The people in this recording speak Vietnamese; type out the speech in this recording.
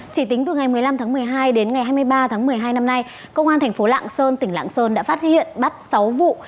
chỉ tính từ ngày một mươi năm tháng một mươi hai đến ngày hai mươi ba tháng một mươi hai năm nay công an thành phố lạng sơn tỉnh lạng sơn đã phát hiện bắt sáu vụ